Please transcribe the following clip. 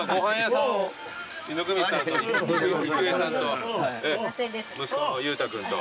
温水さんと郁恵さんと息子の裕太君と。